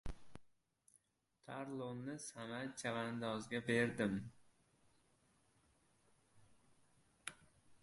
Tarlonni Samad chavandozga berdim.